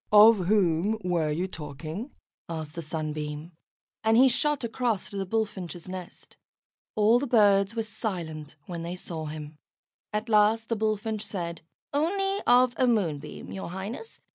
"Of whom were you talking?" asked the Sunbeam; and he shot across to the Bullfinch's nest. All the birds were silent when they saw him. At last the Bullfinch said, "Only of a Moonbeam, your Highness.